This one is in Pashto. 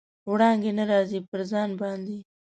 وړانګې نه راځي، پر ځان باندې